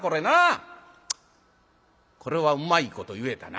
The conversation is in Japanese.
これはうまいこと言えたな。